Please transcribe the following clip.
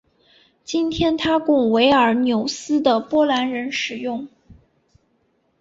今天它供维尔纽斯的波兰人使用。